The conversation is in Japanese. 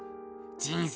人生